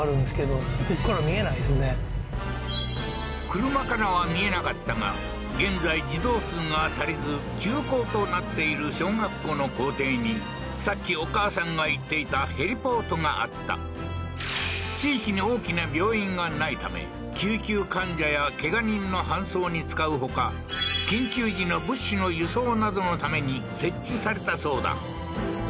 車からは見えなかったが現在児童数が足りず休校となっている小学校の校庭にさっきお母さんが言っていたヘリポートがあった地域に大きな病院がないため救急患者や怪我人の搬送に使うほか緊急時の物資の輸送などのために設置されたそうだ